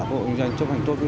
học hội kinh doanh chấp hành tốt